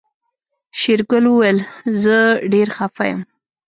شېرګل وويل زه ډېر خپه يم.